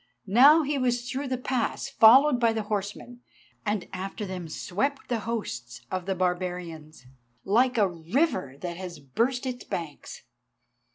Now he was through the pass followed by the horsemen, and after them swept the hosts of the barbarians, like a river that has burst its banks.